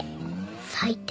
最低？